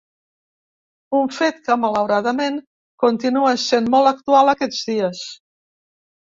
Un fet que, malauradament, continua essent molt actual aquests dies.